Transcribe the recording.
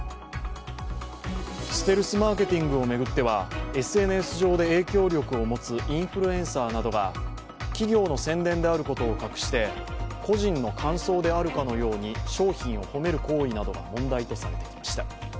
ステルスマーケティングを巡ってはＳＮＳ上で影響力を持つインフルエンサーなどが企業の宣伝であることを隠して個人の感想であるかのように商品を褒める行為などが問題とされてきました。